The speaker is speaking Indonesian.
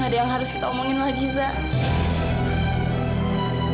gak ada yang harus kita omongin lagi san